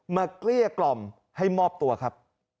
เกลี้ยกล่อมให้มอบตัวครับ